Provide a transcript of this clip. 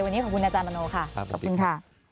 วันนี้ขอบคุณอาจารย์มโนค่ะขอบคุณค่ะ